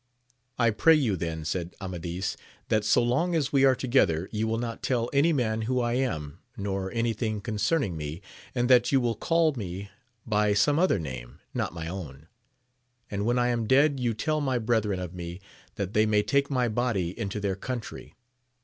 I pray you then, said Amadis, that so long as we are together you will not tell any man who I am, nor anything concerning me, and that you will call me by some other name, not my own ; and when I am dead you tell my brethren of me, that they may take my body into their country.